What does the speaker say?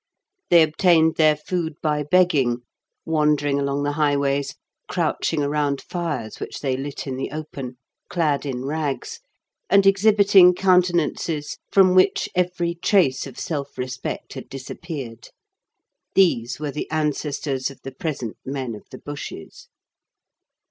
They obtained their food by begging, wandering along the highways, crouching around fires which they lit in the open, clad in rags, and exhibiting countenances from which every trace of self respect had disappeared. These were the ancestors of the present men of the bushes.